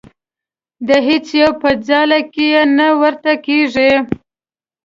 د هیڅ یو په ځاله کې یې نه ورته کېږدي.